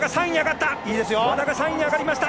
和田が３位に上がりました！